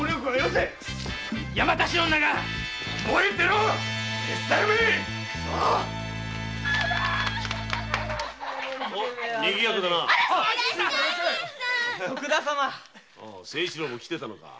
清一郎も来てたのか。